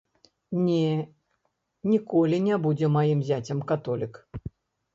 Не, ніколі не будзе маім зяцем католік.